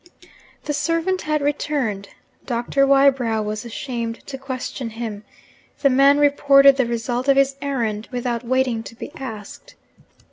The servant had returned. Dr. Wybrow was ashamed to question him. The man reported the result of his errand, without waiting to be asked.